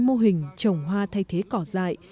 mô hình trồng hoa thay thế cỏ dại